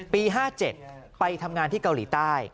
๕๗ไปทำงานที่เกาหลีใต้